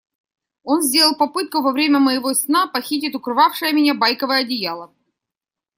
Он сделал попытку во время моего сна похитить укрывавшее меня байковое одеяло.